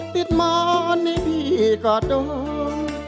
ติดมอนในผีกอดอม